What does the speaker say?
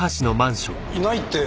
いないって。